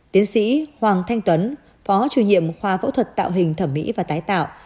tiến sĩ hoàng thanh tuấn phó chủ nhiệm khoa phẫu thuật tạo hình thẩm mỹ và tái tạo